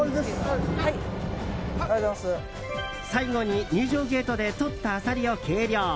最後に、入場ゲートでとったアサリを計量。